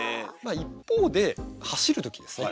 一方で走る時ですね